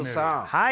はい！